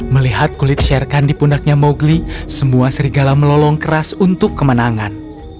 melihat kulit sherkan di pundaknya mowgli semua serigala melolong keras untuk kemenangan